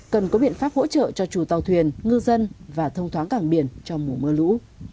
cần có biện pháp hỗ trợ cho chủ tàu thuyền ngư dân và thông thoáng cảng biển trong mùa mưa lũ